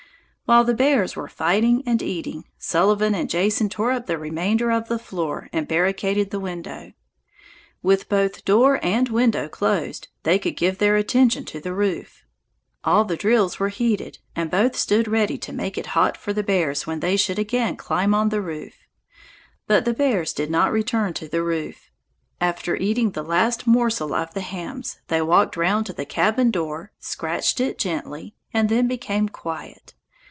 While the bears were fighting and eating, Sullivan and Jason tore up the remainder of the floor and barricaded the window. With both door and window closed, they could give their attention to the roof. All the drills were heated, and both stood ready to make it hot for the bears when they should again climb on the roof. But the bears did not return to the roof. After eating the last morsel of the hams they walked round to the cabin door, scratched it gently, and then became quiet.